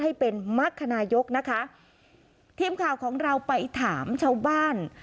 ให้เป็นมรรคนายกนะคะทีมข่าวของเราไปถามชาวบ้าน